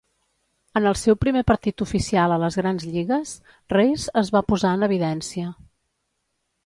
En el seu primer partit oficial a les grans lligues, Reese es va posar en evidència.